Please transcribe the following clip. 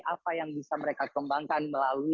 apa yang bisa mereka kembangkan melalui